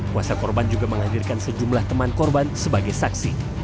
kuasa korban juga menghadirkan sejumlah teman korban sebagai saksi